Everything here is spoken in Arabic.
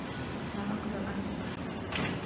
لم أقدر أن أفكّر.